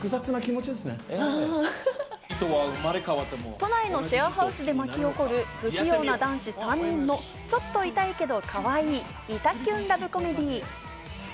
都内のシェアハウスで巻き起こる不器用な男子３人のちょっとイタいけどかわいいイタきゅんラブコメディー。